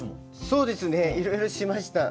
そうですねいろいろしました。